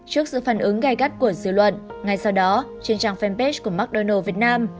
trước sự phản ứng gai gắt của dư luận ngay sau đó trên trang fanpage của mcdonald s việt nam